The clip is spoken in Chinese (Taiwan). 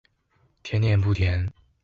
甜點不甜